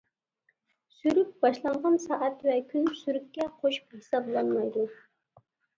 سۈرۈك باشلانغان سائەت ۋە كۈن سۈرۈككە قوشۇپ ھېسابلانمايدۇ.